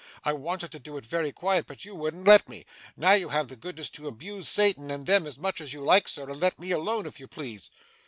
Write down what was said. I wanted to do it very quiet, but you wouldn't let me. Now, you have the goodness to abuse Satan and them, as much as you like, Sir, and to let me alone if you please.